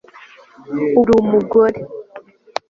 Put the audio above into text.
Ubu uri umugore